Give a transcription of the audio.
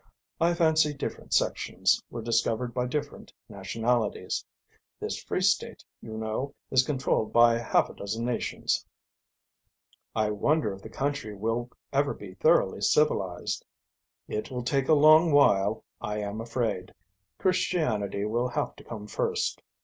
I fancy different sections, were discovered by different nationalities. This Free State, you know, is controlled by half a dozen nations." "I wonder if the country will ever be thoroughly civilized?" "It will take a long while, I am afraid. Christianity will have to come first.